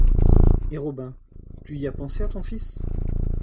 Et Robin, tu y as pensé à ton fils ?